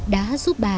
đã giúp bà